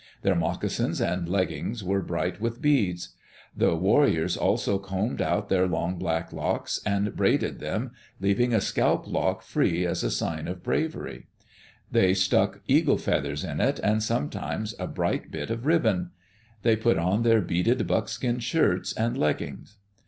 Their moccasins and leggins were bright with beads. The war riors also combed out their long black locks and braided them, leaving a scalp lock free as a sign of bravery. They ["9] ^ I Digitized by VjOOQ LC EARLY DAYS IN OLD OREGON stuck eagle feathers in it, and sometimes a bright bit of ribbon. They put on their beaded buckskin shirts and leggins.